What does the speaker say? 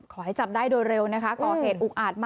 ขอให้จับได้โดยเร็วนะคะ